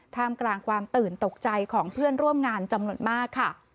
ท่ามกลางความตื่นตกใจของเพื่อนร่วมงานจำนวนมากค่ะ